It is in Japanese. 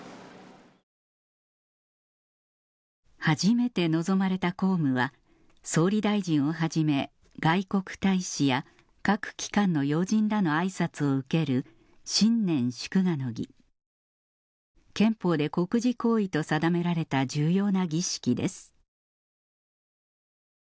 初めて臨まれた公務は総理大臣をはじめ外国大使や各機関の要人らのあいさつを受ける新年祝賀の儀憲法で国事行為と定められた重要な儀式です